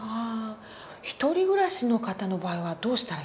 独り暮らしの方の場合はどうしたらいいんでしょう。